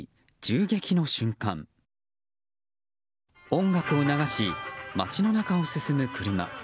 音楽を流し、街の中を進む車。